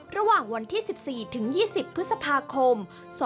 ระหว่างวันที่๑๔ถึง๒๐พฤษภาคม๒๕๖